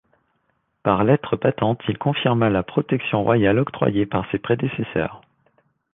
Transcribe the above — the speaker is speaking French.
Par lettres patentes, il confirma la protection royale octroyée par ses prédécesseurs.